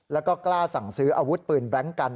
แล้วก็กล้าสั่งซื้ออาวุธปืนแบล็งกัน